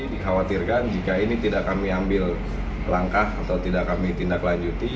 dikhawatirkan jika ini tidak kami ambil langkah atau tidak kami tindak lanjuti